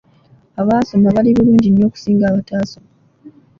Abaasoma bali bulungi nnyo okusinga abataasoma.